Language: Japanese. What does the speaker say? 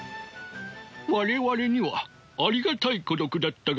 我々にはありがたい孤独だったがね。